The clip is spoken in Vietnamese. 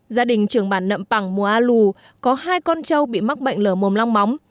gia đình trường bản nậm pẳng mùa a lù có hai con trâu bị mắc bệnh lở mồm long móng